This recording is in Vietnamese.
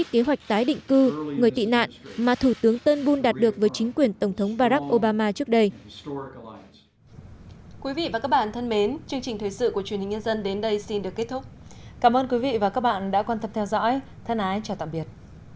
thân ái chào tạm biệt